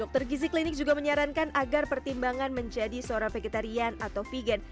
dokter gizi klinik juga menyarankan agar pertimbangan menjadi seorang vegetarian atau vegan